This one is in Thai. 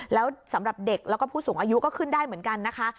แล้วสำหรับเด็กแล้วก็ผู้สูงอายุก็ขึ้นได้เหมือนกันนะคะ